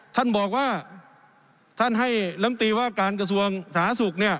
ท่านบอกว่าท่านให้ล้ำตีว่าการกระทรวงสหสุทธิ์เนี้ย